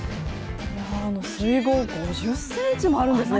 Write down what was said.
水濠５０ｃｍもあるんですね。